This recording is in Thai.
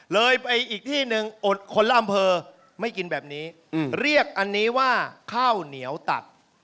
เลยไปอีกที่หนึ่งอดคนละอำเภอไม่กินแบบนี้เรียกอันนี้ว่าข้าวเหนียวตัด